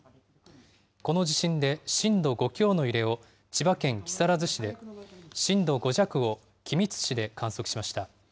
この地震で、震度５強の揺れを千葉県木更津市で、震度５弱を君津市で観測しました。